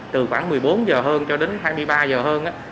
từ khoảng một mươi bốn h hơn cho đến hai mươi ba h hơn